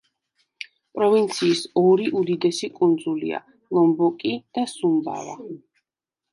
პროვინციის ორი უდიდესი კუნძულია: ლომბოკი და სუმბავა.